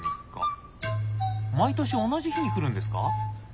毎年同じ日に来るんですか？